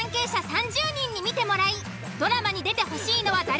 ３０人に見てもらいドラマに出てほしいのは誰？